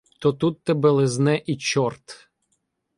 То тут тебе лизне і чорт!